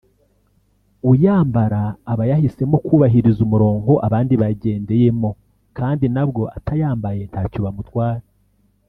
uyambara aba yahisemo kubahiriza umurongo abandi bagendeyemo kandi nabwo atayambaye ntacyo bamutwara